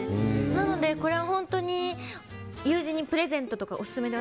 なのでこれは本当に友人にプレゼントとかオススメで。